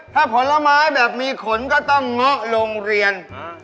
ถ้าผลไม้แบบมีขนก็ต้องเงาะโรงเรียน